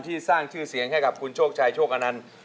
สร้างชื่อเสียงให้กับคุณโชคชัยโชคอนันต์